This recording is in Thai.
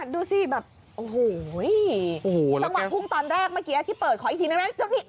ดูสิแบบโอ้โหจังหวะพุ่งตอนแรกเมื่อกี้ที่เปิดขออีกทีนึงไหม